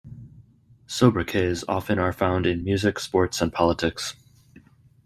Sobriquets often are found in music, sports, and politics.